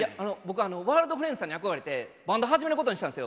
僕ワールドフレンズさんに憧れてバンド始めることにしたんですよ。